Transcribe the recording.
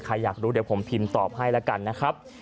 อยากรู้เดี๋ยวผมพิมพ์ตอบให้แล้วกันนะครับ